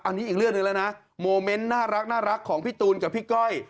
อันนี้อีกเรื่องหนึ่งแล้วนะโมเมนต์น่ารักของพี่ตูนกับพี่ก้อย